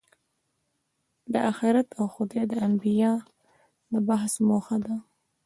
دا آخرت او خدای د انبیا د بعثت موخه ده.